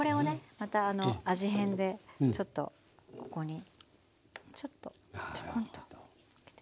また味変でちょっとここにちょっとちょこんとのっけて。